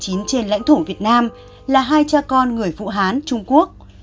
vì covid một mươi chín trên lãnh thổ việt nam là hai cha con người phụ hán trung quốc